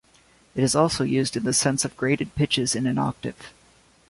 It is also used in the sense of graded pitches in an octave.